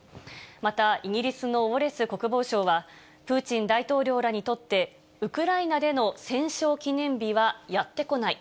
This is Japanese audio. また、イギリスのウォレス国防相は、プーチン大統領らにとって、ウクライナでの戦勝記念日はやってこない。